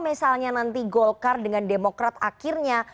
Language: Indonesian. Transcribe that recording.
misalnya nanti golkar dengan demokrat akhirnya